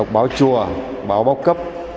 báo chùa báo báo cấp